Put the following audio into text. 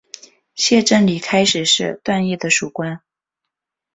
谢正礼开始是段业的属官。